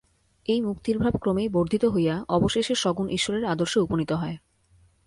এই মুক্তির ভাব ক্রমেই বর্ধিত হইয়া অবশেষে সগুণ ঈশ্বরের আদর্শে উপনীত হয়।